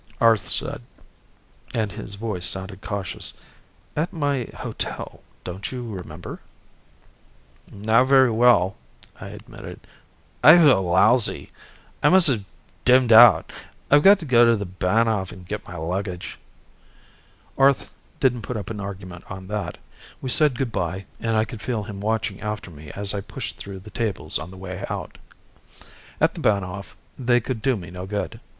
Arth said, and his voice sounded cautious, "At my hotel, don't you remember?" "Not very well," I admitted. "I feel lousy. I must have dimmed out. I've got to go to the Bahnhof and get my luggage." Arth didn't put up an argument on that. We said good by and I could feel him watching after me as I pushed through the tables on the way out. At the Bahnhof they could do me no good.